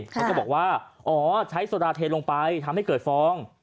เขาก็บอกว่าอ๋อใช้โซดาเทลงไปทำให้เกิดฟอง